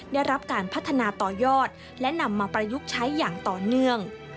ได้รับการพัฒนาต่อยอดและนำมาประยุกต์ใช้อย่างต่อเนื่อง